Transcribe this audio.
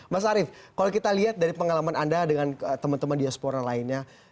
mas arief kalau kita lihat dari pengalaman anda dengan teman teman diaspora lainnya